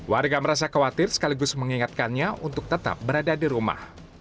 warga merasa khawatir sekaligus mengingatkannya untuk tetap berada di rumah